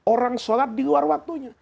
orang sholat di luar waktunya